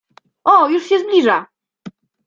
O, już się zbliża!